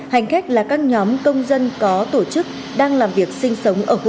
hành khách là các nhóm công dân có tổ chức đang làm việc sinh sống ở khu vực